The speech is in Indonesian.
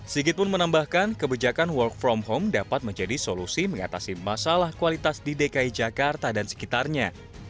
sigit pun menambahkan kebijakan work from home dapat menjadi solusi mengatasi masalah kualitas di dki jakarta dan sekitarnya